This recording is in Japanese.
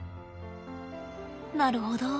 なるほど。